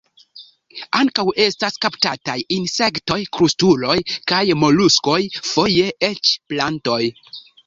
Ankaŭ estas kaptataj insektoj, krustuloj kaj moluskoj, foje eĉ plantoj.